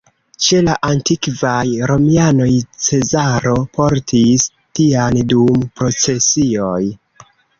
Ĉe la antikvaj romianoj Cezaro portis tian dum procesioj.